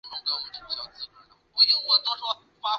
正式注册的幼儿园也必须遵守政府所立下的条规。